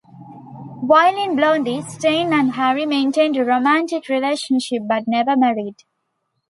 While in Blondie, Stein and Harry maintained a romantic relationship but never married.